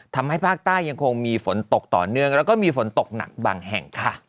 ทำให้ภาคใต้ยังคงมีฝนตกต่อเนื่องแล้วก็มีฝนตกหนักบางแห่งค่ะ